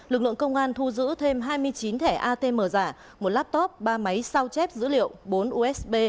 lực lượng công an thu giữ thêm hai mươi chín thẻ atm giả một laptop ba máy sao chép dữ liệu bốn usb